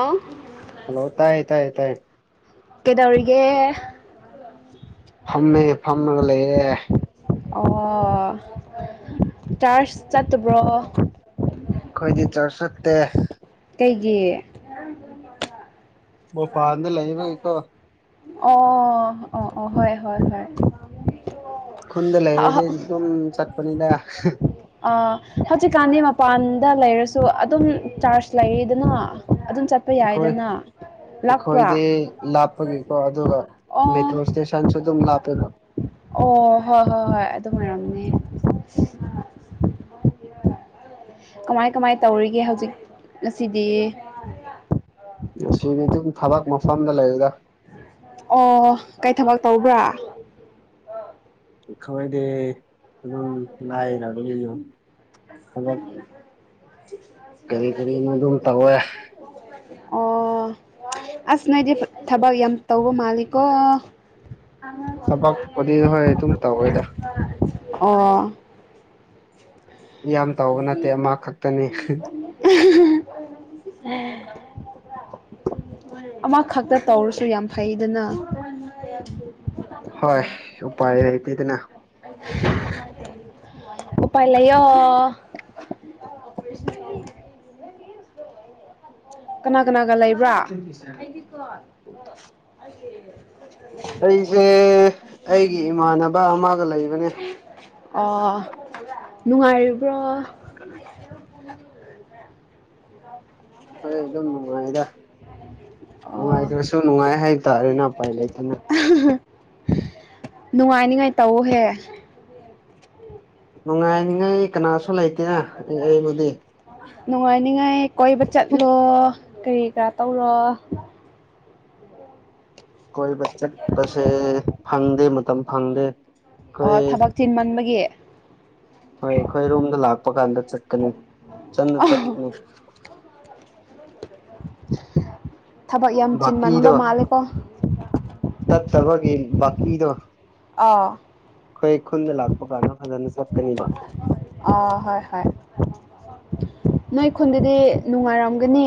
ꯑꯣꯥꯎ ꯍ ꯇꯥꯏ ꯇꯥꯏ ꯇꯥꯏ ꯀꯗꯧꯒ ꯐꯝꯃꯦ ꯐꯝꯃꯒ ꯂꯩꯌꯦꯦ ꯑꯣ ꯆꯥꯔꯁ ꯆꯠꯇꯕ꯭ꯔꯣ ꯑꯩꯈꯣꯏꯗꯤ ꯆꯥꯎꯥꯛ ꯆꯠꯇꯦ ꯑꯩꯒꯤ ꯑꯣ ꯄꯥꯗ ꯂꯩꯕ ꯏꯇꯣ ꯑꯣ ꯑꯣ ꯑꯣ ꯍ ꯈꯨꯟꯗ ꯍ ꯂꯩꯔꯗꯤ ꯍ ꯑꯗꯨꯝ ꯆꯠꯄꯅꯤꯗ ꯑ ꯍꯧꯖꯤꯦ ꯀꯥꯟ ꯃꯥ ꯄꯥꯟꯗ ꯂꯩꯔꯁꯨ ꯑꯗꯨꯝ ꯆꯥꯔꯖ ꯂꯩꯗꯅ ꯑꯗꯨꯝ ꯆꯠꯄ ꯑꯩꯈꯣꯏ ꯌꯥꯏꯗꯅ ꯂꯥꯛꯄ꯭ꯔꯥ ꯑꯩꯈꯣꯏꯗꯤ ꯂꯥꯞꯄꯒꯤꯀꯣ ꯑꯗꯨꯒ ꯑꯣ ꯃꯦꯇ꯭ꯔꯣ ꯏꯁꯇꯦꯁꯟꯁꯨ ꯑꯗꯨꯝ ꯂꯥꯞꯄꯦꯕ ꯑꯣ ꯍꯣꯏ ꯍꯣꯏ ꯍꯣꯏ ꯑꯗꯨ ꯑꯣꯏꯔꯝꯅꯦ ꯀꯃꯥꯏ ꯀꯃꯥꯏ ꯇꯧꯔꯤꯒꯦ ꯍꯧꯖꯤꯛ ꯑꯁꯤꯗꯤ ꯑꯁꯤꯗꯤ ꯑꯗꯨꯝ ꯊꯕꯛ ꯃꯐꯝꯗ ꯂꯩꯕꯗ ꯑꯣ ꯀꯩ ꯊꯕꯛ ꯇꯧꯕ꯭ꯔꯥ ꯈꯣꯏꯗꯤ ꯑꯗꯨꯝ ꯂꯥꯏꯔꯕꯅꯤ ꯌꯨꯝ ꯃ ꯀꯔꯤ ꯀꯔꯤꯅꯣ ꯑꯗꯨꯝ ꯇꯧꯋꯦ [unintelligible] ꯑꯣ ꯑꯁ ꯅꯣꯏꯗꯤ ꯊꯕꯛ ꯌꯥꯝ ꯇꯧꯕ ꯃꯥꯜꯂꯤꯀꯣ ꯊꯕꯛꯄꯨꯗꯤ ꯍꯣꯏ ꯑꯗꯨꯝ ꯇꯧꯋꯦꯗ ꯑꯣ ꯌꯥꯝ ꯇꯧꯕ ꯅꯠꯇꯦ ꯑꯃ ꯈꯛꯇꯅꯤ [unintelligible] ꯑꯦ ꯑꯃꯈꯛꯇ ꯇꯧꯔꯁꯨ ꯌꯥꯝ ꯐꯩꯗꯅ ꯍꯣꯏ ꯎꯥꯏ ꯂꯩꯇꯗꯅ ꯑꯣ ꯄꯥꯏ ꯂꯩꯣ ꯑꯣꯔꯦꯁ ꯀꯅꯥ ꯀꯅꯥꯒ ꯂꯩꯕ꯭ꯔꯥ ꯑꯩꯁꯦ ꯑꯩꯒꯤ ꯏꯃꯥꯟꯅꯕ ꯑꯃꯒ ꯂꯩꯕꯅꯦ ꯑꯣ ꯅꯨꯡꯉꯥꯏꯔꯤꯕ꯭ꯔꯣ [unintelligible] ꯍꯣꯏ ꯑꯗꯨꯝ ꯅꯨꯡꯉꯥꯏꯗ ꯑꯣ ꯅꯨꯡꯉꯥꯏꯇ꯭ꯔꯁꯨ ꯅꯨꯡꯉꯥꯏ ꯍꯥꯏꯇꯥꯥꯔꯦꯅꯦ ꯎꯄꯥꯏ ꯂꯩꯇꯅ ꯅꯨꯡꯉꯥꯏꯅꯤꯉꯥꯏ ꯇꯧꯑꯣꯍꯦ ꯅꯨꯡꯉꯥꯏ ꯅꯤꯡꯉꯥꯏ ꯀꯅꯥ ꯅꯨꯡꯉꯥꯏꯅꯤꯡꯉꯥꯏ ꯀꯣꯏꯕ ꯆꯠꯂꯣ ꯀꯔꯤ ꯀꯔꯥ ꯇꯧꯔꯣ ꯀꯣꯏꯕ ꯆꯠꯄꯁꯦ ꯐꯪꯗꯦ ꯃꯇꯝ ꯐꯪꯗꯦ ꯑꯩꯈꯣꯏ ꯑꯣ ꯊꯕꯛ ꯆꯤꯟ ꯃꯟꯕꯒꯤ ꯄꯀꯥꯟꯗ ꯆꯠꯀꯅꯤ ꯆꯟꯗ ꯆꯠꯀꯅꯤ ꯊꯕꯛ ꯌꯥꯝ ꯆꯤꯟꯃꯟꯕ ꯃꯥꯂꯦꯀꯣ ꯆꯠꯠꯇꯕꯒꯤ ꯀꯤꯗ ꯑꯥ ꯑꯩꯈꯣꯏ ꯈꯨꯟꯗ ꯂꯥꯛꯄ ꯀꯥꯟꯅ ꯐꯖꯅ ꯆꯠꯀꯅꯤꯕ ꯑꯥ ꯍꯣꯏ ꯍꯣꯏ ꯅꯣꯏ ꯈꯨꯟꯗꯗꯤ ꯅꯨꯡꯉꯥꯏꯔꯝꯒꯅꯤ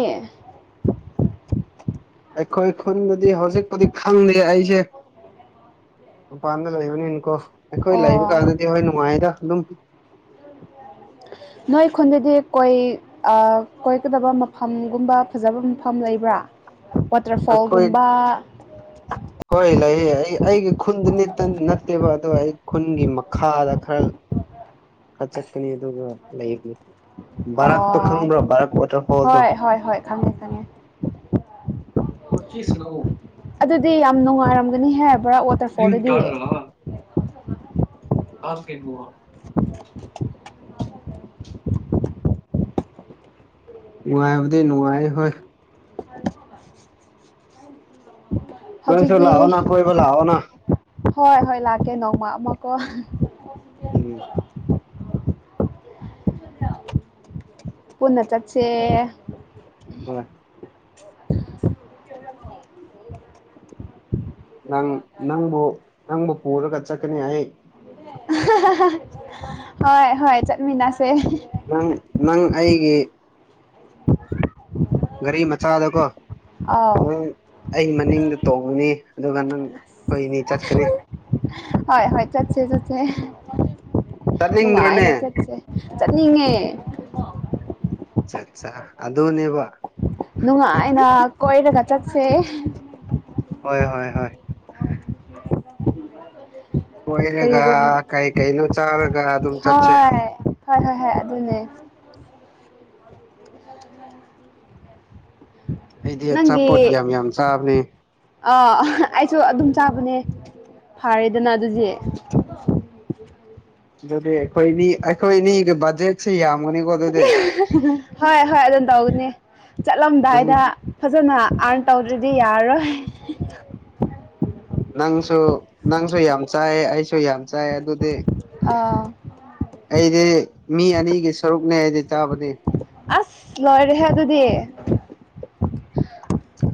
ꯑꯩꯈꯣꯏ ꯈꯨꯟꯗꯗꯤ ꯍꯧꯖꯤꯛꯄꯨꯗꯤ ꯈꯪꯗꯦ ꯑꯩꯁꯦ ꯗ ꯂꯩ ꯏꯅꯤ ꯀꯣ ꯑꯩꯈꯣꯏ ꯂꯩꯕ ꯑꯣ ꯀꯥꯟꯗꯗꯤ ꯍꯣꯏ ꯅꯨꯡꯉꯥꯏꯗ ꯑꯗꯨꯝ ꯅꯣꯏ ꯈꯨꯟꯗꯗꯤ ꯀꯣꯏ ꯀꯣꯏꯀꯗꯕ ꯃꯐꯝꯒꯨꯝꯕ ꯐꯖꯕ ꯃꯐꯝ ꯂꯩꯕ꯭ꯔꯥ ꯋꯥꯇꯔ ꯑꯩꯈꯣꯏ ꯐꯥꯜꯒꯨꯝꯕ ꯍꯣꯏ ꯂꯩꯌꯦ ꯑꯩ ꯑꯩꯒꯤ ꯈꯨꯟꯗ ꯅꯠꯇꯦꯕ ꯑꯗꯣ ꯑꯩ ꯈꯨꯟꯒꯤ ꯃꯈꯥꯗ ꯈꯔ ꯑ ꯆꯠꯀꯅꯤ ꯑꯗꯨꯒ ꯂꯩ ꯑꯣ ꯋꯥꯇꯔꯐꯣꯜꯗꯣ ꯍꯣꯏ ꯍꯣꯏ ꯍꯣꯏ ꯀꯃꯤ ꯀꯅꯤ ꯑꯗꯨꯗꯤ ꯌꯥꯝ ꯅꯨꯡꯉꯥꯏꯔꯝꯒꯅꯤꯍꯦ ꯕꯣꯔꯥ ꯋꯥꯇꯔꯐꯣꯜꯗꯗꯤ ꯍꯥ ꯀꯩꯅꯕꯨꯍ ꯅꯨꯡꯉꯥꯏꯕꯗꯤ ꯅꯨꯡꯉꯥꯏ ꯍꯣꯏ ꯅꯣꯏꯁꯨ ꯍꯧꯖꯤꯛꯇꯤ ꯂꯥꯛꯑꯣꯅ ꯀꯣꯏꯕ ꯂꯥꯛꯑꯣꯅ ꯍꯣꯏ ꯍꯣꯏ ꯂꯥꯛꯀꯦ ꯅꯣꯡꯃ ꯑꯃꯀꯣ ꯎꯝ ꯄꯨꯟꯅ ꯆꯆꯦ ꯍꯣꯏ ꯅꯪ ꯅꯪꯕꯨ ꯅꯪꯕꯨ ꯄꯨꯔꯒ ꯆꯠꯀꯅꯤ ꯑꯩ ꯍꯣꯏ ꯍꯣꯏ ꯆꯠꯃꯤꯟꯅꯁꯤ ꯅꯪ ꯅꯪ ꯑꯩꯒꯤ ꯒꯥꯔꯤ ꯃꯆꯥꯗꯀꯣ ꯑꯥꯎ ꯅꯪ ꯑꯩ ꯃꯅꯤꯡꯗ ꯇꯣꯡꯕꯅꯤ ꯑꯗꯨꯒ ꯅꯪ ꯑꯩꯣꯏꯅꯤ ꯆꯠꯀꯅꯤ ꯍꯣꯏ ꯍꯣꯏ ꯆꯠꯁꯦ ꯆꯠꯁꯦ ꯆꯠꯅꯤꯡꯗ꯭ꯔꯣꯅꯦ ꯅꯨꯡꯉꯥꯏꯅ ꯆꯠꯁꯦ ꯆꯠꯅꯤꯡꯉꯦ ꯆꯥꯆꯥ ꯑꯗꯨꯅꯦꯕ ꯅꯨꯡꯉꯥꯏꯅ ꯀꯣꯏꯔꯒ ꯆꯠꯁꯦ ꯍꯣꯏ ꯍꯣꯏ ꯍꯣꯏ ꯀꯣꯏꯔꯒ ꯀꯔꯤꯒꯨꯝ ꯀꯩ ꯀꯩꯅꯣ ꯆꯥꯔꯒ ꯑꯗꯨꯝ ꯆꯠꯁꯦ ꯍꯣꯏ ꯍꯣꯏ ꯍꯣꯏ ꯕꯅꯦ ꯑꯩꯗꯤ ꯅꯪꯒꯤ ꯑꯆꯥꯄꯣꯠ ꯌꯥꯝ ꯌꯥꯝ ꯆꯥꯕꯅꯦ ꯑ ꯑꯩꯁꯨ ꯑꯗꯨꯝ ꯆ ꯑꯗꯨꯅꯦ ꯐꯥꯔꯦꯗꯅ ꯑꯗꯨꯁ ꯑꯗꯨꯗꯤ ꯑꯩꯈꯣꯏꯅꯤ ꯑꯩꯈꯣꯏꯅꯤ ꯕꯖꯦꯠꯁꯦ ꯌꯥꯝ ꯍꯣꯏ ꯍꯣꯏ ꯑꯗꯨꯝ ꯇꯧꯅꯦ ꯅꯪ ꯆꯠꯂꯝꯗꯥꯏꯗ ꯐꯖꯅ ꯑꯥꯔꯟ ꯇꯧꯗ꯭ꯔꯗꯤ ꯌꯥꯔꯔꯣꯏ ꯅꯪꯁꯨ ꯅꯪꯁꯨ ꯌꯥꯝ ꯆꯥꯏ ꯑꯩꯁꯨ ꯌꯥꯝ ꯆꯥꯏ ꯑꯗꯨꯗꯤ ꯑꯥ ꯑꯩꯗꯤ ꯃꯤ ꯑꯅꯤꯒꯤ ꯁꯔꯨꯛꯅꯦ ꯑꯩꯗꯤ ꯆꯥꯕꯅꯤ ꯑꯁ ꯂꯣꯏꯔꯦꯍꯦ ꯑꯗꯨꯗꯤ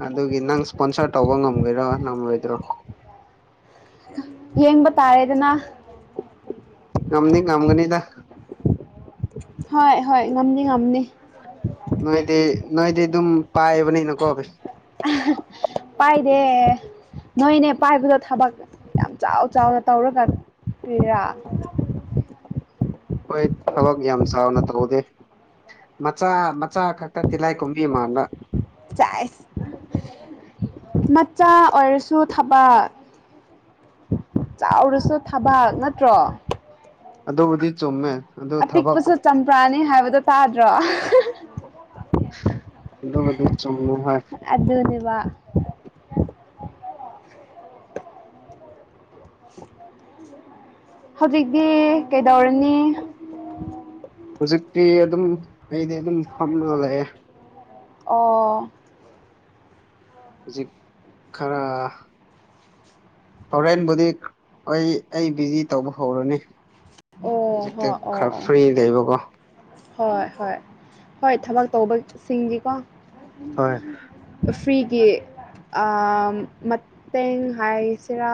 ꯑꯗꯨꯒꯤ ꯅꯪ ꯏꯁꯄꯣꯟꯁꯔ ꯇꯧꯕ ꯉꯃꯒꯗꯔꯥ ꯉꯝꯃꯣꯏꯗ꯭ꯔꯣ ꯌꯦꯡꯕ ꯇꯥꯔꯦꯗꯅ ꯉꯝꯗꯤ ꯀꯝꯒꯅꯤꯗ ꯍꯣꯏ ꯍꯣꯏ ꯉꯝꯅꯤ ꯉꯝꯅꯤ ꯅꯣꯏꯗꯤ ꯅꯣꯏꯗꯤ ꯑꯗꯨꯝ ꯄꯥꯏꯕꯅꯤꯅ ꯀꯣ ꯀꯩꯁꯨ ꯑꯦ ꯅꯣꯏꯅꯦ ꯄꯥꯏꯕꯗ ꯊꯕꯛ ꯌꯥꯝ ꯆꯥꯎ ꯆꯥꯎꯅ ꯇꯧꯔꯒ ꯀꯔꯤꯔꯥ [inaudible] ꯍꯣꯏ ꯊꯕꯛ ꯌꯥꯝ ꯆꯥꯎꯅ ꯇꯧꯗꯦ ꯃꯆꯥ ꯃꯆꯥ ꯈꯛꯇ ꯇꯤꯂꯥꯏ ꯈꯨꯝꯕꯤ ꯃꯥꯥꯟꯕꯥ ꯆꯥꯏ ꯃꯆꯥ ꯑꯣꯏꯔꯁꯨ ꯊꯕꯛ ꯆꯥꯎꯔꯁꯨ ꯊꯕꯛ ꯅꯠꯇ꯭ꯔꯣ ꯑꯗꯨꯕꯨꯗꯤ ꯆꯨꯝꯃꯦ ꯑꯗꯨ ꯊꯕꯛ ꯑꯄꯤꯛꯄꯁꯨ ꯆꯝꯄ꯭ꯔꯥꯅꯦ ꯍꯥꯏꯕꯗꯣ ꯇꯥꯗ꯭ꯔꯣ ꯑꯗꯨꯕꯨꯗꯤ ꯆꯨꯨꯝꯃꯦ ꯍꯣꯏ ꯑꯗꯨꯅꯦꯕ ꯍꯧꯖꯤꯛꯇꯤ ꯀꯩꯗꯧꯔꯅꯤ ꯍꯧꯖꯤꯛꯇꯤ ꯑꯗꯨꯝ ꯑꯩꯗꯤ ꯑꯗꯨꯝ ꯐꯝꯃꯒꯥ ꯂꯩꯌꯦ ꯑꯣ ꯍꯧꯖꯤꯛ ꯈꯔ ꯍꯣꯔꯦꯟꯕꯨꯗꯤ ꯍꯣꯏ ꯑꯩ ꯕꯤꯖꯤ ꯇꯧꯕ ꯍꯧꯔꯅꯤ ꯑꯣ ꯍꯧꯖꯤꯛꯇ ꯍꯣꯏ ꯑꯣ ꯈꯥ ꯑꯣ ꯐꯔꯤ ꯂꯩꯕ ꯀꯣ ꯍꯣꯏ ꯍꯣꯏ ꯍꯣꯏ ꯊꯕꯛ ꯇꯧꯕꯁꯤꯡꯗꯤꯀꯣ ꯍꯣꯏ ꯐꯔꯤ ꯀꯤ ꯃꯇꯦꯡ ꯍꯥꯏꯁꯤꯔꯥ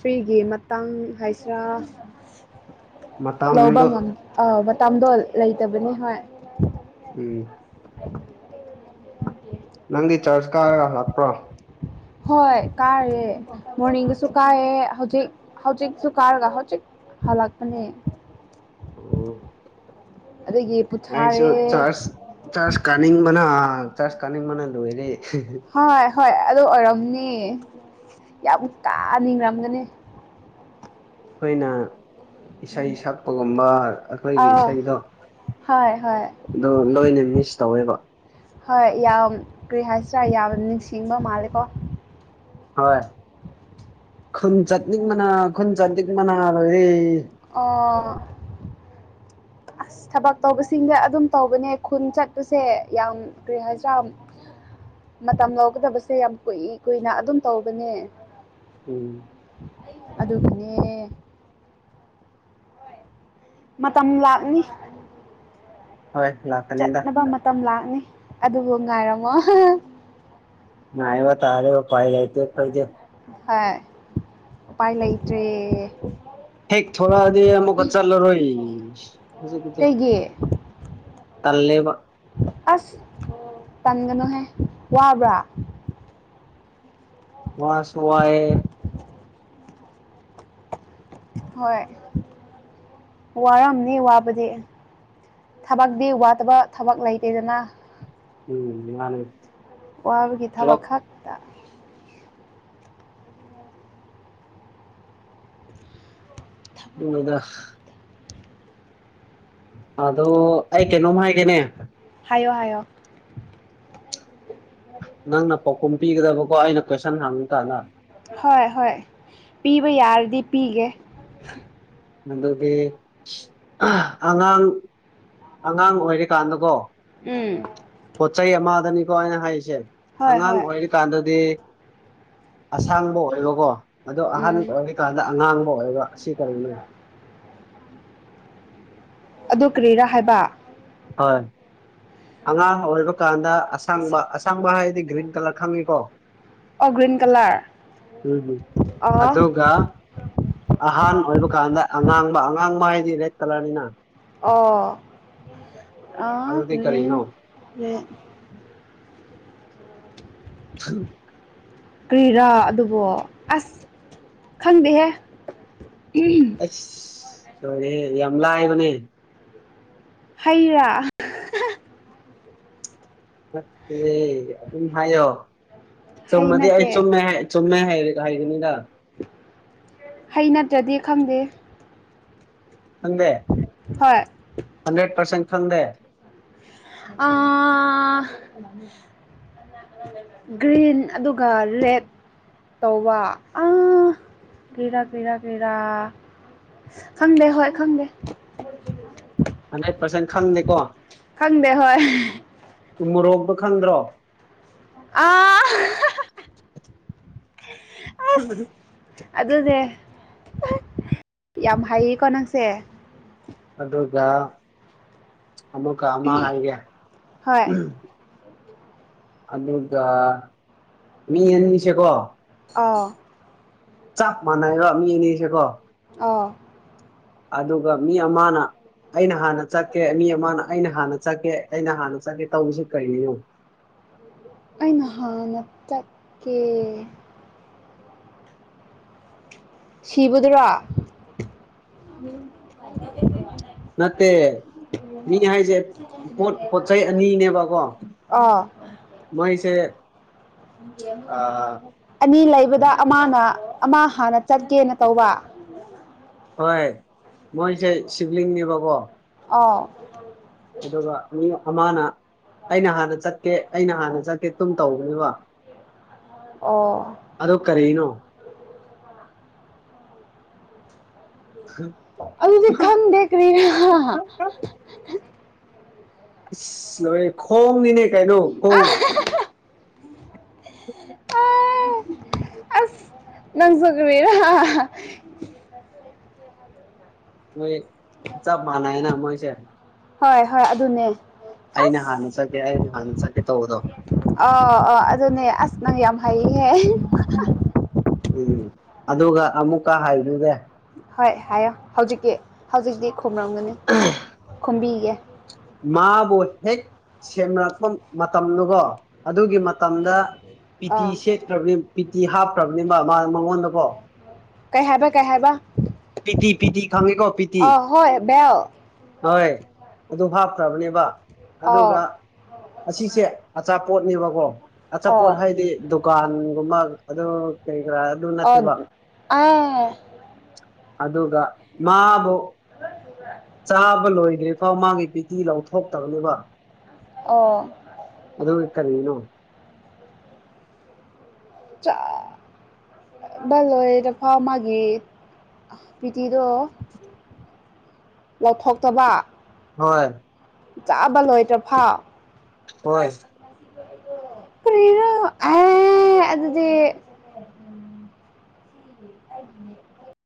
ꯐ꯭ꯔꯤꯒꯤ ꯃꯇꯥꯡ ꯍꯥꯏꯁꯤ ꯌꯥ ꯂꯧꯕꯝ ꯃꯇꯝꯗꯣ ꯉꯝ ꯑ ꯇꯝꯗꯣ ꯂꯩꯇꯕꯅꯤ ꯍꯣꯏ ꯎꯝ ꯅꯪꯒꯤ ꯆꯔꯆ ꯀꯥꯔꯒ ꯂꯥꯛꯄ꯭ꯔꯣ ꯍꯣꯏ ꯀꯥꯏꯑꯦ ꯃꯣꯔꯅꯤꯡꯁꯨ ꯀꯥꯏꯑꯦ ꯍꯧꯖꯤꯛ ꯍꯧꯖꯤꯛꯁꯨ ꯀꯥꯔꯒ ꯍꯧꯖꯤꯛ ꯍꯂꯛꯄꯅꯦ ꯑꯣ ꯑꯩꯁꯨ ꯄꯨꯊꯥꯔꯦ ꯆꯔꯁ ꯆꯔꯁ ꯀꯥꯅꯤꯡ ꯕꯅꯥ ꯆꯔꯖ ꯀꯅꯤꯡ ꯕꯥꯅ ꯂꯣꯏꯔꯦ ꯍꯣꯏ ꯍꯣꯏ ꯑꯗꯨ ꯑꯣꯏꯔꯝꯅꯤ ꯌꯥꯝ ꯀꯥꯅꯤꯡꯉꯝꯒꯅꯤ ꯑꯩꯈꯣꯏꯅ ꯏꯁꯩ ꯁꯛꯄꯒꯨꯝꯕ ꯑꯩꯈꯣꯏꯒꯤ ꯑꯥ ꯏꯁꯩꯗꯣ ꯍꯣꯏ ꯍꯣꯏ ꯅꯣꯏꯅ ꯃꯤꯁ ꯇꯧꯋꯦꯕ ꯆꯥ ꯌꯥꯝꯅ ꯅꯤꯡꯁꯤꯡꯕ ꯃꯥꯜꯂꯦꯀꯣ ꯍꯣꯏ ꯈꯨꯟ ꯆꯠꯅꯤꯡ ꯃꯅꯥ ꯈꯨꯟ ꯆꯠꯅꯤꯡ ꯃꯅꯥ ꯂꯣꯏꯔꯦ ꯑꯣ ꯑꯁ ꯊꯕꯛ ꯇꯧꯕꯁꯤꯡꯗꯤ ꯑꯗꯨꯝ ꯇꯧꯕꯅꯦ ꯈꯨꯟ ꯆꯠꯄꯁꯦ ꯌꯥꯝ ꯀꯔꯤ ꯍꯥꯏꯖꯥꯝ ꯃꯇꯝ ꯂꯧꯒꯗꯕꯁꯦ ꯌꯥꯝ ꯀꯨꯏ ꯀꯨꯏꯅ ꯑꯗꯨꯝ ꯇꯧꯕꯅꯦ ꯎꯝ ꯑꯗꯨꯒꯅꯦ ꯃꯇꯝ ꯂꯥꯛꯅꯤ ꯍꯣꯏ ꯂꯥꯛꯀꯅꯤꯗ ꯆꯠꯅꯕ ꯃꯇꯝ ꯂꯥꯛꯅꯤ ꯑꯗꯨꯕꯨ ꯉꯥꯏꯔꯝꯃꯣ ꯅ ꯏꯕ ꯇꯥꯔꯦꯕ ꯐꯥꯏ ꯂꯩꯇ ꯀꯦ ꯍꯥꯏ ꯄꯥꯏ ꯂꯩ ꯏꯇ꯭ꯔꯦ ꯍ ꯊꯣꯣꯔꯗꯤ ꯑꯃꯃꯨꯀ ꯆꯜꯂꯔꯣ ꯍꯧꯖꯤꯗ ꯀꯩꯒꯤ ꯇꯜꯂꯦꯕ ꯁ ꯇꯟꯒꯅꯨꯍꯦ ꯋꯥꯕ꯭ꯔꯥ ꯋꯥ ꯁꯋꯥꯑ ꯍꯣꯏ ꯋꯥꯔꯝꯅꯤ ꯋꯥꯕꯗꯤ ꯊꯕꯛꯇꯤ ꯋꯥꯠꯇꯕ ꯊꯕꯛ ꯂꯩꯇꯦꯗꯅ ꯎꯝ ꯌꯥꯅꯦ ꯋꯥꯕꯒꯤ ꯊꯕꯛ ꯈꯛꯇ ꯍꯗ ꯑꯗꯣ ꯑꯩ ꯀꯩꯅꯣꯝ ꯍꯥꯏꯒꯦꯅꯦ ꯍꯥꯏꯣ ꯍꯥꯏꯌꯣ ꯅꯪꯅ ꯄꯥꯎꯈꯨꯝ ꯄꯤꯒꯗꯕꯀꯣ ꯑꯩꯅ ꯀꯣꯏꯁꯟ ꯍꯥꯡꯕꯨ ꯇꯥꯗ ꯍꯣꯏ ꯍꯣꯏ ꯄꯤꯕ ꯌꯥꯔꯗꯤ ꯄꯤꯒꯦ ꯑꯗꯨꯗꯤ ꯑꯉꯥꯡ ꯑꯉꯥꯡ ꯑꯣꯏꯔꯤꯀꯥꯟꯗꯀꯣ ꯎꯝ ꯄꯣꯠ ꯆꯩꯩ ꯑꯃꯗꯅꯤꯀꯣ ꯑꯩꯅ ꯍꯥꯏꯔꯤꯁꯦ ꯍꯣꯏ ꯑꯉꯥꯡ ꯍꯣꯏ ꯑꯣꯏꯔꯤꯀꯥꯟꯗꯗꯤ ꯑꯁꯥꯡꯕ ꯑꯣꯏꯕꯀꯣ ꯑꯗꯣ ꯑꯍꯥꯟꯕ ꯎꯝ ꯑꯣꯏꯔꯤꯀꯥꯟꯗ ꯑꯉꯥꯡꯕ ꯑꯣꯏꯕ ꯑꯁꯤ ꯀꯔꯤꯅꯣ ꯑꯗꯨ ꯀꯔꯤꯔꯥ ꯍꯥꯏꯕ ꯍꯣꯏ ꯑꯉꯥꯡ ꯑꯣꯏꯕ ꯀꯥꯟꯗ ꯑꯁꯥꯡꯕ ꯑꯁꯥꯡꯕ ꯍꯥꯏꯗꯤ ꯤꯟ ꯇꯂꯛ ꯈꯝꯃꯤ ꯀꯣ ꯑꯣ ꯒ꯭ꯔꯤꯟ ꯀꯂꯔ ꯎꯝ ꯑ ꯑꯗꯨꯒ ꯑꯍꯥꯟ ꯑꯣꯏꯕ ꯀꯥꯟꯗ ꯑꯉꯥꯡꯕ ꯑꯉꯥꯡꯕ ꯍꯥꯏꯗꯤ ꯔꯦꯗ ꯀꯂꯔꯅꯤꯅ ꯑꯗꯨꯗꯤ ꯀꯔꯤꯅꯣ ꯑꯣ ꯍ ꯀ꯭ꯔꯤꯔꯥ ꯑꯗꯨꯕꯨꯣ ꯑꯁ ꯈꯪꯗꯦꯍꯦ ꯑꯁ ꯍꯅꯦꯦ ꯌꯥꯝ ꯂꯥꯏꯕꯅꯦ ꯍꯩꯔꯥ ꯠꯇꯦ ꯑꯗꯨꯝ ꯍꯥꯏꯌꯣ ꯍꯩ ꯆꯨꯝꯃꯗꯤ ꯑꯩ ꯅꯠꯇꯦ ꯆꯨꯝꯃꯦ ꯆꯨꯝꯃꯦ ꯍꯥꯏ ꯍꯥꯏꯒꯅꯤꯗ ꯍ ꯅꯠꯇ꯭ꯔꯗꯤ ꯈꯪꯗꯦ ꯈꯪꯗꯦ ꯍꯣꯏ ꯍꯟꯗ꯭ꯔꯦꯠ ꯄꯔꯁꯦꯟ ꯐꯪꯗꯦ ꯑꯥ ꯒ꯭ꯔꯤꯟ ꯑꯗꯨꯒ ꯔꯦꯠ ꯇꯧꯧꯕ ꯑ ꯀꯔ ꯀꯦꯔ ꯀꯦꯔ ꯈꯪꯗꯦ ꯍꯣꯏ ꯈꯪꯗꯦ ꯍꯟꯗ꯭ꯔꯦꯠ ꯄꯥꯔꯁꯦꯟ ꯈꯪꯗꯦꯀꯣ ꯈꯪꯗꯦ ꯍꯣꯏ ꯃꯣꯔꯣꯛꯕ ꯈꯪꯗ꯭ꯔꯣ ꯑꯥ ꯑꯗꯨꯅꯦ ꯌꯥꯝ ꯍꯩꯌꯦꯀꯣ ꯅꯪꯁꯦ ꯑꯗꯨꯒ ꯑꯃꯨꯛꯀ ꯑꯃ ꯍꯥꯏꯒꯦ ꯍꯣꯏ ꯑꯗꯨ ꯃꯤ ꯌꯦꯟꯉꯁꯦꯀꯣ ꯑꯥꯎ ꯆꯞ ꯃꯥꯟꯅꯩꯕ ꯃꯤ ꯑꯅꯤꯁꯦꯀꯣ ꯑꯥ ꯑꯗꯨꯒ ꯃꯤ ꯑꯃꯅ ꯑꯩꯅ ꯍꯥꯟꯅ ꯆꯠꯀꯦ ꯃꯤ ꯑꯃꯅ ꯑꯩꯅ ꯍꯥꯟꯅ ꯆꯠꯀꯦ ꯑꯩꯅ ꯍꯥꯟꯅ ꯆꯠꯀꯦ ꯇꯧꯕꯔꯤꯁꯤꯦ ꯀꯔꯤꯅꯣ ꯑ ꯅꯍꯥꯟꯅ ꯇꯀꯦ ꯁꯤꯕꯗꯨ꯭ꯔꯥ ꯅꯠꯇꯦ ꯃꯤ ꯍꯥꯏꯁꯦ ꯄꯣꯠ ꯄꯣꯠ ꯆꯩ ꯑꯅꯤꯅꯦꯕꯀꯣ ꯑꯥ ꯃꯣꯏꯁꯦ ꯑꯥ ꯑꯅꯤ ꯂꯩꯕꯗ ꯑꯃꯅ ꯑꯃ ꯍꯥꯟꯅ ꯆꯠꯀꯦꯅ ꯇꯧꯕ ꯍꯣꯏ ꯃꯣꯏꯁꯦ ꯁꯤꯕꯂꯤꯡꯅꯦꯕꯀꯣ ꯑꯥ ꯑꯗꯨꯒ ꯃꯤ ꯑꯃꯅ ꯑꯩꯅ ꯍꯥꯟꯅ ꯆꯠꯀꯦ ꯑꯩꯅ ꯍꯥꯟꯅ ꯆꯠꯀꯦ ꯇꯨꯝ ꯇꯧꯕꯅꯦꯕ ꯑꯣ ꯑꯗꯣ ꯀꯔꯤꯅꯣ ꯍꯝ ꯑꯗꯨꯗꯤ ꯈꯝ ꯗꯔꯤ ꯑꯁꯂ ꯈꯣꯡꯅꯤꯅꯦ ꯀꯥꯏꯅꯣ ꯈꯧ ꯑꯥ ꯑꯝ ꯑꯁ ꯅꯪꯁꯨꯒꯕꯤꯔ ꯃꯣꯏ ꯆ ꯃꯅꯥꯏꯅ ꯃꯣꯏꯁꯦ ꯍꯣꯏ ꯍꯣꯏ ꯑꯗꯨꯅꯦ ꯑꯩꯅ ꯑꯁ ꯍꯥꯟꯅ ꯆꯠꯀꯦ ꯑꯩꯅ ꯍꯥꯟꯅ ꯆꯠꯀꯦ ꯇꯧꯕꯗꯣ ꯑꯥ ꯑꯥ ꯑꯗꯨꯅꯦ ꯑꯁ ꯅꯧ ꯌꯥꯝ ꯍꯩꯍꯦ ꯎꯝ ꯑꯗꯨꯒ ꯑꯃꯨꯛꯀ ꯍꯥꯏꯅꯨꯒꯦ ꯍꯣꯏ ꯍꯥꯏꯌꯣ ꯍꯧꯖꯤꯛꯤ ꯍꯧꯖꯤꯛꯇꯤ ꯈꯔꯝꯒꯅꯤ ꯈꯨꯝꯕꯤꯒꯦ ꯃꯥꯕꯨꯣ ꯊꯦ ꯁꯦꯝꯅꯔꯛꯄ ꯃꯇꯝꯗꯨꯀꯣ ꯑꯗꯨꯒꯤ ꯃꯇꯝꯗ ꯄꯤꯇꯤ ꯑꯥ ꯁꯦꯠꯈ꯭ꯔꯕꯅꯤ ꯄꯤꯇꯤ ꯍꯥꯞꯇ꯭ꯔꯕꯅꯦꯕ ꯃꯉꯣꯟꯗꯀꯣ ꯀꯩ ꯍꯥꯏꯕ ꯀꯩ ꯍꯥꯏꯥꯏꯕ ꯄꯤꯇꯤ ꯄꯤꯇꯤ ꯈꯪꯉꯤꯀꯣ ꯄꯤꯇꯤ ꯑ ꯍꯣꯏ ꯦ ꯍꯣꯏ ꯑꯗꯨ ꯍꯥꯞꯈ꯭ꯔꯕꯅꯦꯕ ꯑꯥꯎ ꯑꯗꯨꯒ ꯑꯁꯤꯁꯦ ꯑꯆꯥꯠ ꯑꯆꯥꯄꯣꯠꯅꯦꯕꯀꯣ ꯑꯣ ꯑꯆꯥꯄꯣꯠ ꯍꯥꯏꯗꯤ ꯗꯨꯀꯥꯟꯒꯨꯝꯕ ꯑꯗꯨ ꯀꯩ ꯑꯗꯨ ꯑꯣ ꯅꯠꯇꯦꯕꯣ ꯑꯥ ꯑꯗꯨꯒ ꯃꯥꯕꯨ ꯑꯗꯨ ꯇꯕ ꯂꯣꯏꯗ꯭ꯔꯤ ꯐꯥꯎ ꯃꯥꯒꯤ ꯄꯤꯇꯤ ꯂꯧꯊꯣꯛꯇꯕꯅꯦꯕ ꯑꯣ ꯑꯗ ꯀꯔꯤꯅꯣ ꯆ ꯚꯂꯣꯏꯗꯐꯥꯎ ꯃꯥꯒꯤ ꯄꯤꯇꯤꯗꯣ ꯂꯧꯊꯣꯛꯇꯕ ꯍꯣꯏ ꯆꯥꯕ ꯂꯣꯏꯇ꯭ꯔꯐꯥꯎ ꯍꯣꯏꯁ ꯔ ꯑ ꯑꯗꯨꯗꯤ ꯁꯤ